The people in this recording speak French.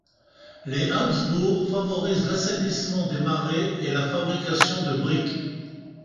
Les Habsbourgs favorisent l’assainissement des marais et la fabrication de briques.